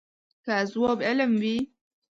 که ځواب علم وي.